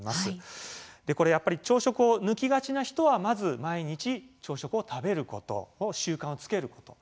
やっぱり朝食を抜きがちな人はまず毎日朝食を食べること習慣をつけること。